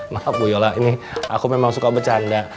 maaf bu yola ini aku memang suka bercanda